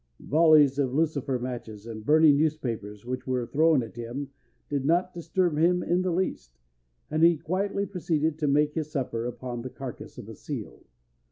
Volleys of lucifer matches and burning newspapers which were thrown at him did not disturb him in the least, and he quietly proceeded to make his supper upon the carcass of a seal.